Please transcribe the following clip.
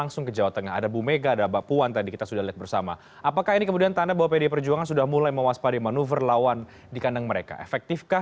sebelumnya prabowo subianto